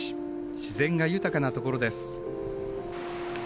自然が豊かなところです。